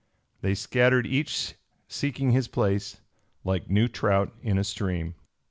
They scattered, each seeking his place, like new trout in a stream.